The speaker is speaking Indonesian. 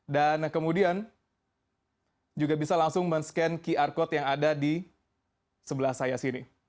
dan kemudian juga bisa langsung men scan qr code yang ada di sebelah saya sini